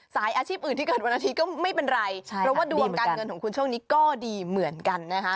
อาชีพอื่นที่เกิดวันอาทิตย์ก็ไม่เป็นไรเพราะว่าดวงการเงินของคุณช่วงนี้ก็ดีเหมือนกันนะคะ